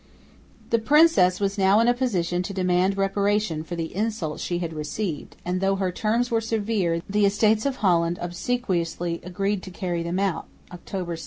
The princess was now in a position to demand reparation for the insult she had received; and, though her terms were severe, the Estates of Holland obsequiously agreed to carry them out (October 6).